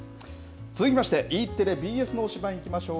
続きまして、Ｅテレ、ＢＳの推しバン！いきましょう。